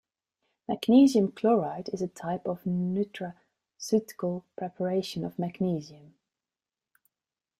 Magnesium chloride is a type of neutraceutical preparation of magnesium.